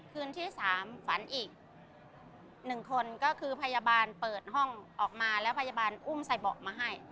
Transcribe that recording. คืนที่สามฝันอีกหนึ่งคนก็คือพยาบาลเปิดห้องออกมาแล้วพยาบาลอุ้มใส่เบาะมาให้